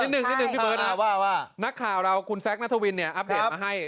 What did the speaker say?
นิดหนึ่งพี่เบิ้ลนะครับนักข่าวเราคุณแซคณธวินเนี่ยอัพเดทมาให้